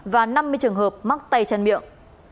và năm mươi trường hợp mắc tay chân miệng